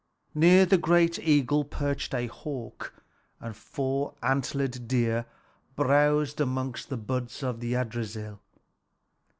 Near the great eagle perched a hawk, and four antlered deer browsed among the buds of Yggdrasil.